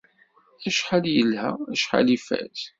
Acḥal yelha, acḥal ifaz.